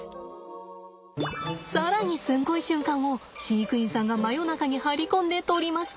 更にすんごい瞬間を飼育員さんが真夜中に張り込んで撮りました。